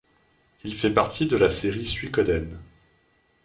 Il fait partie de la série Suikoden.